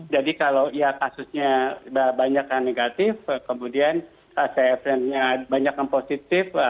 jadi kalau kasusnya banyak yang negatif kemudian cfr nya banyak yang positif